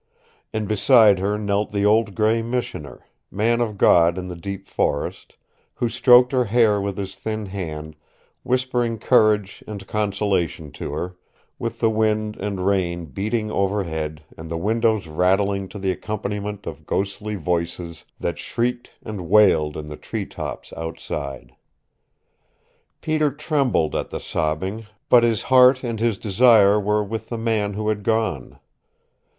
And beside her knelt the old gray Missioner, man of God in the deep forest, who stroked her hair with his thin hand, whispering courage and consolation to her, with the wind and rain beating overhead and the windows rattling to the accompaniment of ghostly voices that shrieked and wailed in the tree tops outside. Peter trembled at the sobbing, but his heart and his desire were with the man who had gone.